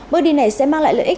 mức đi này sẽ mang lại lợi ích